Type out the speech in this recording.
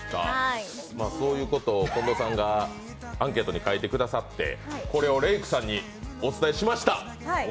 そういうことを近藤さんがアンケートに書いてくださって、これをＲａｋｅさんにお伝えしました。